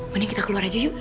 mending kita keluar aja yuk